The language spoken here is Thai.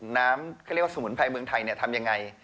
น้ำสมุนไพรเมืองไทยทำอย่างไร